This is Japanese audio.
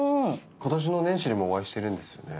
今年の年始にもお会いしてるんですよね？